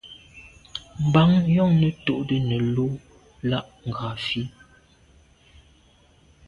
Mbàŋ jɔ̌ŋnə́ túʼdə́ nə̀ lú láʼ ngrāfí.